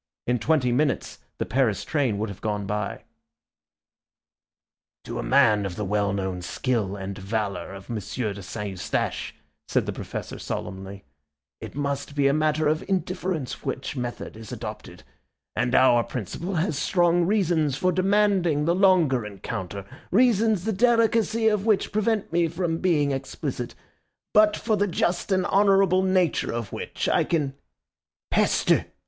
In twenty minutes the Paris train would have gone by. "To a man of the well known skill and valour of Monsieur de St. Eustache," said the Professor solemnly, "it must be a matter of indifference which method is adopted, and our principal has strong reasons for demanding the longer encounter, reasons the delicacy of which prevent me from being explicit, but for the just and honourable nature of which I can—" "_Peste!